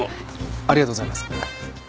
ありがとうございます。